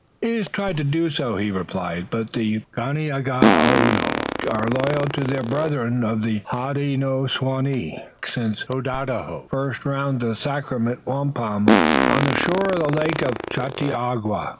"He has tried to do so," he replied, "but the Ganeagaono are loyal to their brethren of the Hodenosaunee since Tododahoe first found the sacred wampum on the shore of the lake, Chautauqua.